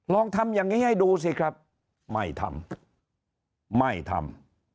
ลองทำอย่างนี้ให้ดูสิครับไม่ทำไม่ทำ